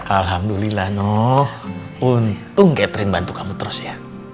alhamdulillah noh untung catherine bantu kamu terus ya